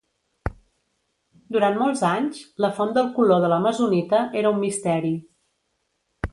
Durant molts anys, la font del color de l'amazonita era un misteri.